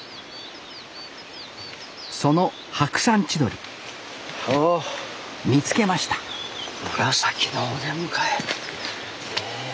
そのハクサンチドリ見つけました紫のお出迎えへえ。